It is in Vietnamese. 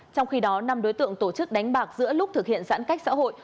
trong khi đó năm đối tượng tổ chức đánh bạc giữa lúc thực hiện giãn cách xã hội